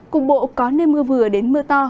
cục bộ có nền mưa vừa đến mưa to